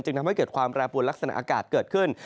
ทำให้เกิดความแปรปวนลักษณะอากาศเกิดขึ้น